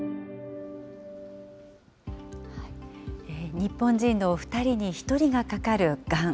日本人の２人に１人がかかるがん。